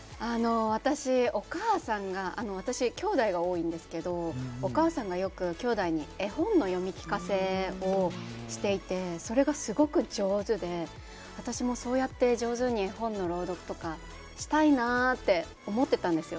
私、お母さんが、私きょうだいが多いんですけどお母さんが、よく、きょうだいに絵本の読み聞かせをしていてそれが、すごく上手で私もそうやって上手に本の朗読とかしたいなって思ってたんですよ。